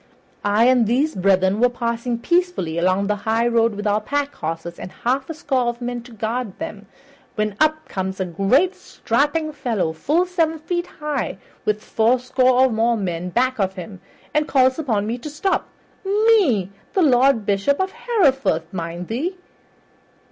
I and these brethren were passing peacefully along the highroad with our pack horses, and a half score of men to guard them, when up comes a great strapping fellow full seven feet high, with fourscore or more men back of him, and calls upon me to stop me, the Lord Bishop of Hereford, mark thou!